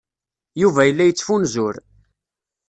Yuba yella yettfunzur.